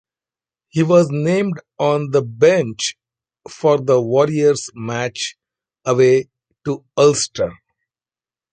He was named on the bench for the Warriors match away to Ulster.